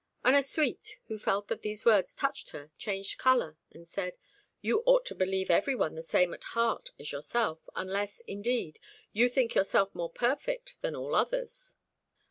Ennasuite, who felt that these words touched her, changed colour and said "You ought to believe every one the same at heart as yourself, unless, indeed, you think yourself more perfect than all others."